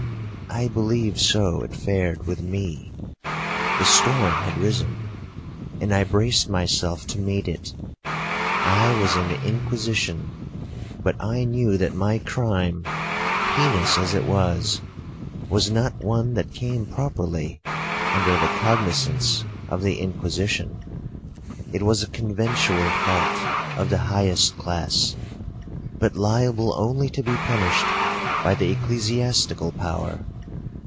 I believe so it fared with me,—the storm had risen, and I braced myself to meet it. I was in the Inquisition, but I knew that my crime, heinous as it was, was not one that came properly under the cognizance of the Inquisition. It was a conventual fault of the highest class, but liable only to be punished by the ecclesiastical power.